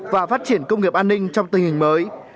và phát triển công nghiệp an ninh trong tình hình mới